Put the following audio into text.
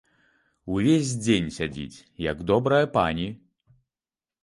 Увесь дзень сядзіць, як добрая пані.